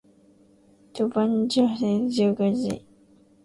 d ヴぁ h じゃ fh じゃ g か」